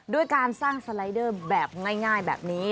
ด้วยการสร้างสไลเดอร์แบบง่ายแบบนี้